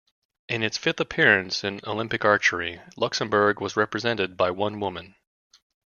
In its fifth appearance in Olympic archery, Luxembourg was represented by one woman.